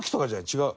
違う？